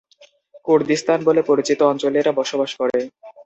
Kurdistan বলে পরিচিত অঞ্চলে এরা বসবাস করে।